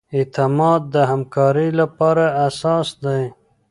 اعتماد د همکارۍ لپاره اساس دی.